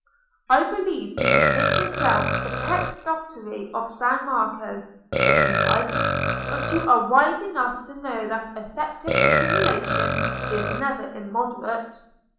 I believe you could make yourself the pet votary of San Marco, if you liked; but you are wise enough to know that effective dissimulation is never immoderate."